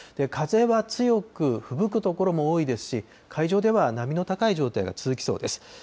風は強く、ふぶく所も多いですし、海上では波の高い状態が続きそうです。